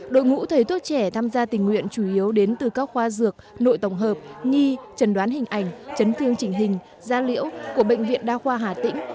đội ngũ thầy thuốc trẻ tham gia tình nguyện chủ yếu đến từ các khoa dược nội tổng hợp nhi trần đoán hình ảnh chấn thương chỉnh hình da liễu của bệnh viện đa khoa hà tĩnh